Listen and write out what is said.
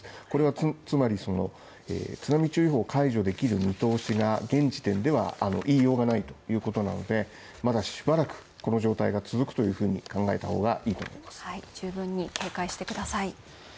これはつまりその、津波注意報解除できる見通しが現時点では言いようがないということなので、まだしばらくこの状態が続くというふうに考えた方がいいと思います、十分に警戒してください。